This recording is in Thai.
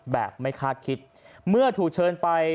แบบไม่คาดคิดเมื่อถูกเชิญไป